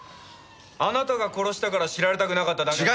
あなたが殺したから知られたくなかっただけ。